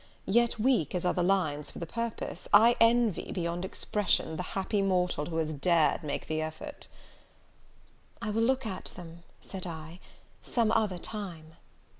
yet, weak as are the lines for the purpose, I envy beyond expression the happy mortal who has dared make the effort." "I will look at them," said I, "some other time."